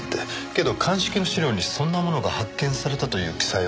けど鑑識の資料にそんなものが発見されたという記載はなかった。